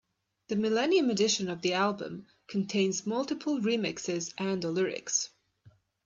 The millennium edition of the album contains multiple remixes and the lyrics.